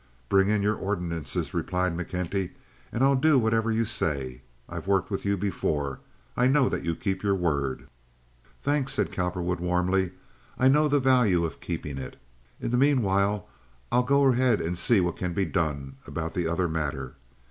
"Bring in your ordinances," replied McKenty, "and I'll do whatever you say. I've worked with you before. I know that you keep your word." "Thanks," said Cowperwood, warmly. "I know the value of keeping it. In the mean while I'll go ahead and see what can be done about the other matter.